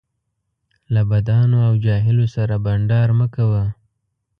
له بدانو او جاهلو سره بنډار مه کوه